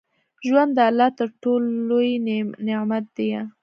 ژوند د الله تر ټولو لوى نعمت ديه.